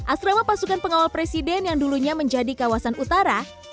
asrama pasukan pengawal presiden yang dulunya menjadi kawasan utara